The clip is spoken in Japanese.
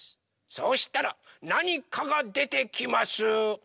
そうしたらなにかがでてきます！